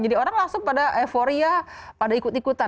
jadi orang langsung pada euforia pada ikut ikutan